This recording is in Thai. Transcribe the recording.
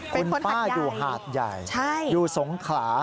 คุณป้าอยู่หาดใหญ่อยู่สงขลา